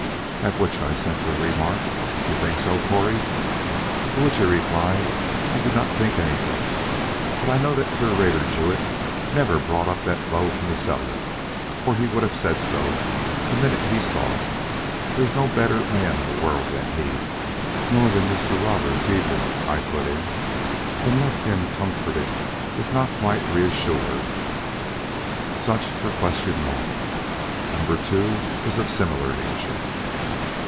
At which I simply remarked: 'You think so, Correy?' To which he replied: 'I do not think anything. But I know that Curator Jewett never brought up that bow from the cellar, or he would have said so the minute he saw it. There's no better man in the world than he.' 'Nor than Mr. Roberts either,' I put in, and left him comforted if not quite reassured. "So much for Question One "Number Two is of a similar nature.